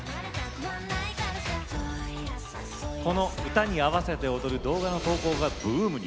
歌に合わせて踊る動画の投稿がブームに。